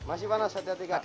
masih panas hati hati kak